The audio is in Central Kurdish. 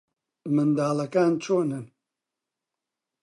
منداڵەکان چۆنن؟